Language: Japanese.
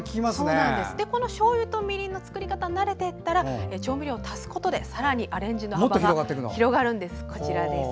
しょうゆとみりんの作り方に慣れてきたら調味料を足すことで、さらにアレンジの幅が広がるんです。